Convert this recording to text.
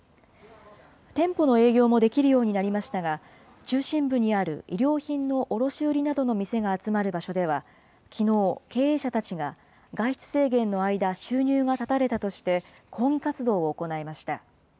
店舗の営業もできるようになりましたが、中心部にある衣料品の卸売りなどの店が集まる場所では、きのう、経営者たちが、外出制限の間、収入が断たれたとして、抗議活動を行いました。